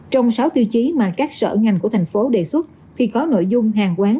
trong sáu tiêu chí mà các sở ngành của thành phố đề xuất thì có nội dung hàng quán